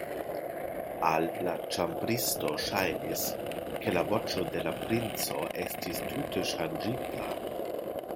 Al la ĉambristo ŝajnis, ke la voĉo de la princo estis tute ŝanĝita.